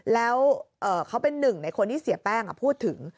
แล้วเขาเป็นหนึ่งในคนที่เสียแป้งพูดถึง